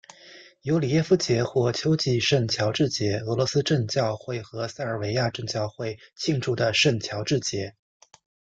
尤里耶夫节或秋季圣乔治节俄罗斯正教会和塞尔维亚正教会庆祝的圣乔治节。